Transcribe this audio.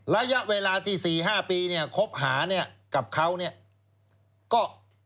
ระยะเวลาที่๔๕ปีคบหากับเขาก็